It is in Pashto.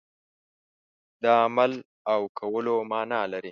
د عمل او کولو معنا لري.